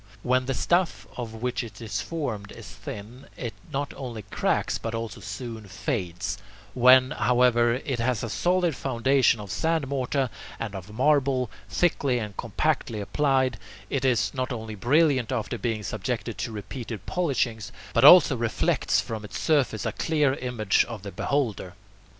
When the stuff of which it is formed is thin, it not only cracks but also soon fades; when, however, it has a solid foundation of sand mortar and of marble, thickly and compactly applied, it is not only brilliant after being subjected to repeated polishings, but also reflects from its surface a clear image of the beholder.